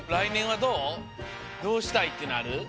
どうしたいっていうのある？